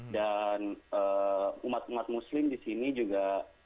dan umat umat muslim di sini juga